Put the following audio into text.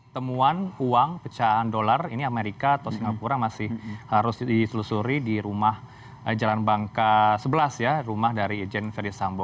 temuan uang pecahan dolar ini amerika atau singapura masih harus ditelusuri di rumah jalan bangka sebelas ya rumah dari ijen ferdisambo